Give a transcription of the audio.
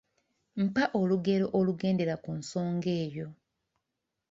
Mpa olugero olugendera ku nsonga eyo.